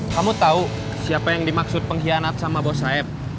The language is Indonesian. kamu tahu siapa yang dimaksud pengkhianat sama bos saeb